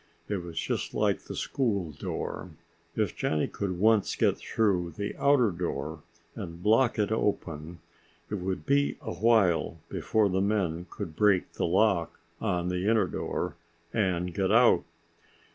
It was just like the school door. If Johnny could once get through the outer door and block it open, it would be a while before the men could break the lock on the inner door and get out.